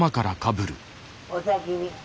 お先に。